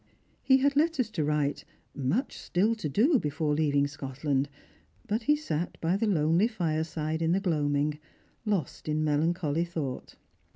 He had letters to write — much still to do before leaving Scotland; but he sat by the lonely fireside in the gloaming, lost in melancholy thought.